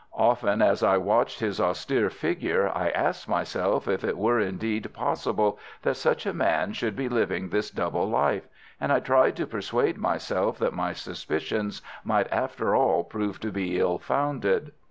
Often as I watched his austere figure, I asked myself if it were indeed possible that such a man should be living this double life, and I tried to persuade myself that my suspicions might after all prove to be ill founded.